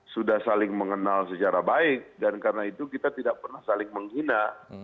sudah saling mengenal secara baik dan karena itu kita tidak pernah saling menghina